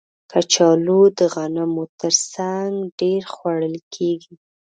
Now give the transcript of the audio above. کچالو د غنمو تر څنګ ډېر خوړل کېږي